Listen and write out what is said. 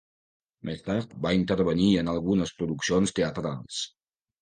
Més tard, va intervenir en algunes produccions teatrals.